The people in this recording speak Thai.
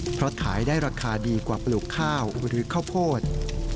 เพราะขายได้ราคาดีกว่าปลูกข้าวหรือข้าวโพด